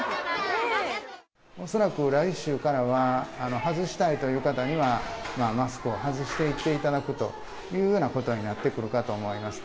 恐らく来週からは、外したいという方にはマスクを外していっていただくということになるかと思います。